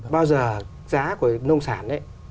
bao giờ giá của nông sản